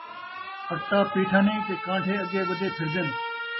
اَٹا پیٹھا نئیں تے کانڈھے اڳے ودے پھردِن